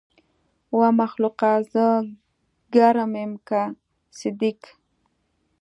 ومخلوقه! زه ګرم يم که صدک.